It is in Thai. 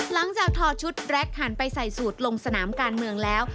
หลังจากทอชุดแดรกหันไปใส่สูตรลงสนามการเมืองแล้ว